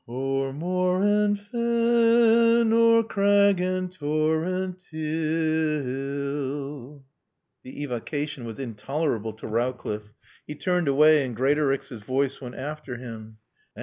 "'O'er moor and fen o'er crag and torrent ti ill '" The evocation was intolerable to Rowcliffe. He turned away and Greatorex's voice went after him.